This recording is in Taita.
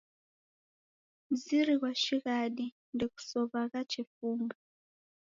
Mziri ghwa shighadi ndeghusow'agha chefunga.